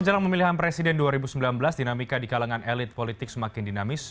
jelang pemilihan presiden dua ribu sembilan belas dinamika di kalangan elit politik semakin dinamis